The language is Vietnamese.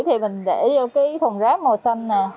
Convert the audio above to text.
thì mình để vô cái thùng rác màu xanh nè